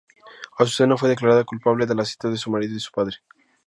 Azucena fue declarada culpable del asesinato de su marido y de su padre.